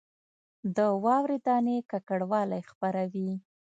د واورې دانې ککړوالی خپروي